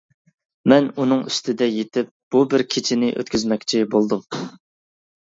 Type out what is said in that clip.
مەن ئۇنىڭ ئۈستىدە يېتىپ بۇ بىر كېچىنى ئۆتكۈزمەكچى بولدۇم.